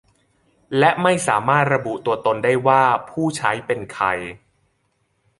และไม่ให้สามารถระบุตัวตนได้ว่าผู้ใช้เป็นใคร